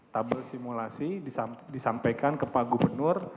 tabel simulasi disampaikan ke pak gubernur